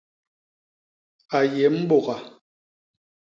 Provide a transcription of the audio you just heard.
A yé mbôga.